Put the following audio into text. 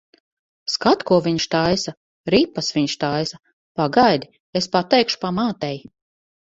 Skat, ko viņš taisa! Ripas viņš taisa. Pagaidi, es pateikšu pamātei.